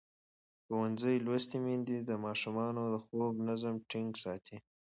ښوونځې لوستې میندې د ماشومانو د خوب نظم ټینګ ساتي.